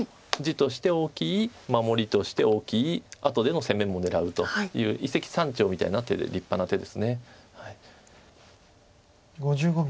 地として大きい守りとして大きい後での攻めも狙うという一石三鳥みたいな手で立派な手です。